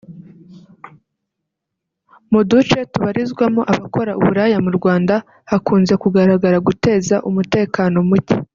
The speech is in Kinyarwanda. Mu duce tubarizwamo abakora uburaya mu Rwanda hakunze kugaragara guteza umutekano muke